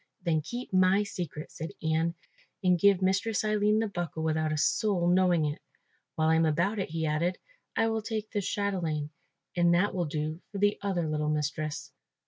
"Then keep my secret," said Ian, "and give Mistress Aline the buckle without a soul knowing it. While I am about it," he added, "I will take this chatelaine, and that will do for the other little mistress."